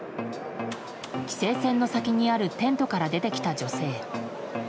規制線の先にあるテントから出てきた女性。